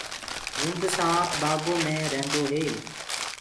لُنڊ سآنپ بآگو مي رهيندو هي۔